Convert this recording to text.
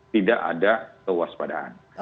tidak ada kewaspadaan